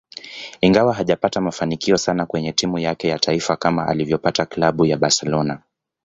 Ingawa hajapata mafanikio sana kwenye timu yake ya taifa kama alivyopata Klabu ya Barcelona